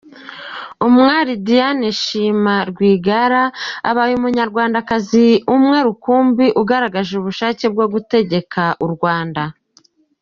Umwali Diane Shima Rwigarara abaye umunyarwandakazi umwe rukumbi ugaragaje ubushake bwo gutegeka u Rwanda.